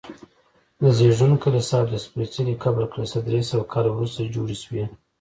د زېږون کلیسا او د سپېڅلي قبر کلیسا درې سوه کاله وروسته جوړې شوي.